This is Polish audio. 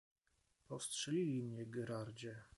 "Postrzelili mnie, Gerardzie."